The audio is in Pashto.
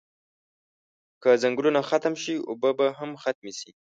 که ځنګلونه ختم شی اوبه به هم ختمی شی